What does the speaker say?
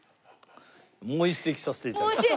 もう一席させて頂きます。